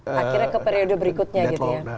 akhirnya ke periode berikutnya gitu ya